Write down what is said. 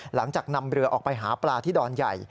หลังจากนำเรือออกไปหาปลาที่ดอนใหญ่